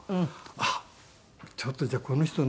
あっちょっとじゃあこの人の。